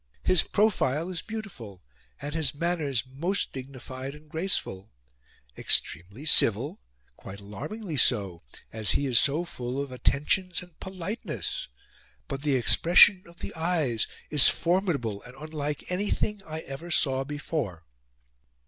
His profile is BEAUTIFUL and his manners MOST dignified and graceful; extremely civil quite alarmingly so, as he is so full of attentions and POLITENESS. But the expression of the EYES is FORMIDABLE and unlike anything I ever saw before."